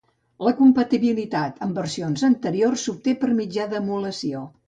La compatibilitat amb versions anteriors s'obté per mitjà d'emulació.